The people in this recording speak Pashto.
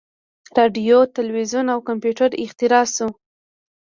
• راډیو، تلویزیون او کمپیوټر اختراع شول.